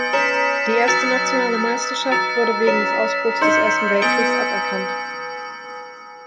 Die erste nationale Meisterschaft wurde wegen des Ausbruchs des Ersten Weltkriegs aberkannt.